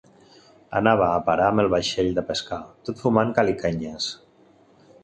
Anava a parar amb el vaixell de pescar, tot fumant caliquenyes.